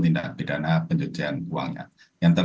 tindak bidana penjujuan uangnya yang